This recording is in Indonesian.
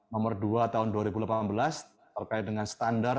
nomor dua tahun dua ribu delapan belas terkait dengan standar